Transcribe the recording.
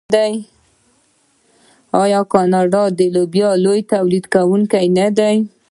آیا کاناډا د لوبیا لوی تولیدونکی نه دی؟